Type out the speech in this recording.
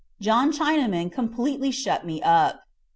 John Chinaman completely shut me up.